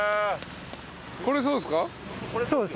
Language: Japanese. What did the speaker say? これそうですか？